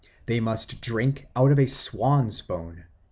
They must drink out of a swan's bone.